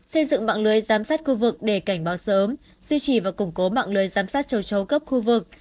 xây dựng mạng lưới giám sát khu vực để cảnh báo sớm duy trì và củng cố mạng lưới giám sát châu chấu cấp khu vực